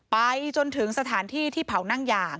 ไปจนถึงสถานที่ที่เผานั่งยา